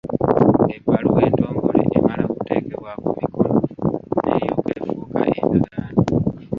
Ebbaluwa entongole emala kuteekebwako mikono n’eryoka efuuka endagaano.